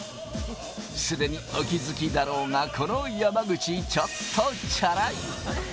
すでにお気付きだろうが、この山口、ちょっとチャラい。